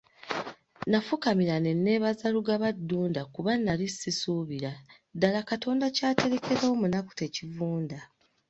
Nafukamira ne neebaza Lugaba Ddunda kuba nali sibisuubira ddala Katonda ky'aterekera omunaku tekivunda.